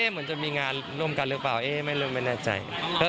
เอ๊มีมีงานร่วมกันหรือเปล่าเอะไม่ไม่แน่ใจ